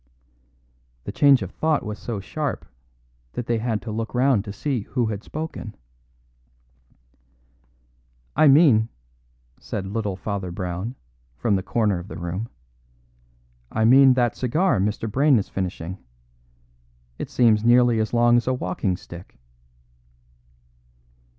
The change of thought was so sharp that they had to look round to see who had spoken. "I mean," said little Father Brown, from the corner of the room, "I mean that cigar Mr. Brayne is finishing. It seems nearly as long as a walking stick."